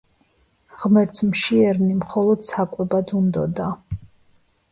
ღმერთს მშიერნი მხოლოდ საკვებად უნდოდა